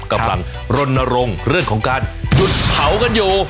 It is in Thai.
กำลังรณรงค์เรื่องของการหยุดเผากันอยู่